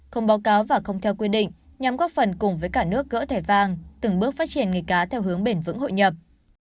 không báo cáo và không theo quy định nhằm góp phần cùng với cả nước gỡ thẻ vàng từng bước phát triển nghề cá theo hướng bền vững hội nhập